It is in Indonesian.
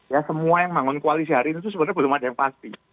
ya semua yang bangun koalisi hari ini itu sebenarnya belum ada yang pasti